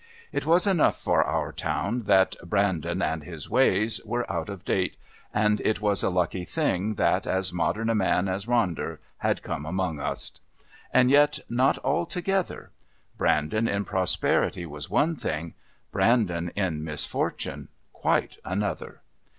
It was enough for our town that "Brandon and his ways" were out of date, and it was a lucky thing that as modern a man as Ronder had come amongst us. And yet not altogether. Brandon in prosperity was one thing, Brandon in misfortune quite another.